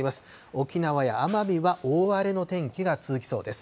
沖縄や奄美は大荒れの天気が続きそうです。